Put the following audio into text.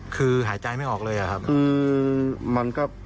คือหายใจไม่ออกเลยอะครับ